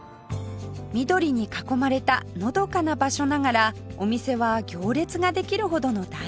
緑に囲まれたのどかな場所ながらお店は行列ができるほどの大人気！